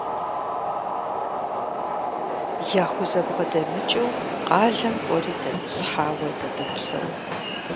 Яхузэбгъэдэмыкӏыу къалэм кӏуэри дэтӏысхьауэ зэдопсэу.